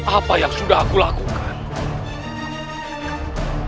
apa yang sudah aku lakukan